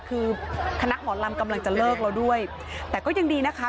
คือคณะหมอลำกำลังจะเลิกแล้วด้วยแต่ก็ยังดีนะคะ